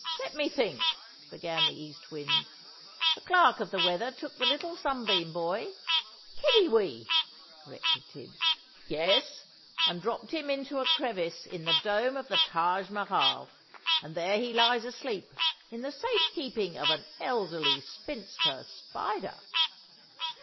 "Let me think," began the East Wind. "The Clerk of the Weather took the little sunbeam boy " "Kiddiwee!" corrected Tibbs. "Yes. And dropped him into a crevice in the dome of the Taj Mahal; and there he lies asleep, in the safe keeping of an Elderly Spinster Spider."